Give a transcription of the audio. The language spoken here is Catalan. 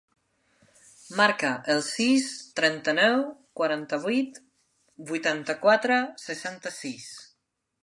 Marca el sis, trenta-nou, quaranta-vuit, vuitanta-quatre, seixanta-sis.